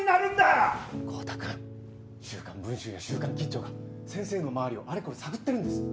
豪太くん『週刊文秋』や『週刊近潮』が先生の周りをあれこれ探ってるんです。